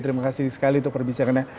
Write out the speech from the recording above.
terima kasih sekali untuk perbincangannya